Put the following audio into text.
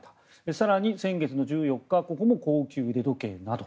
更に先月の１４日ここも高級腕時計など。